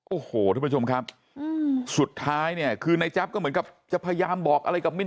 โอ้โหทุกผู้ชมครับสุดท้ายเนี่ยคือในแจ๊บก็เหมือนกับจะพยายามบอกอะไรกับมิ้น